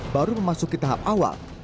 baru memasuki tahap awal